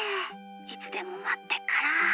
いつでもまってっから。